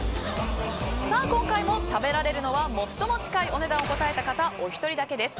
今回も食べられるのは最も近いお値段を答えた方お一人だけです。